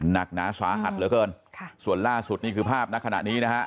หนักหนาสาหัสเหลือเกินค่ะส่วนล่าสุดนี่คือภาพณขณะนี้นะฮะ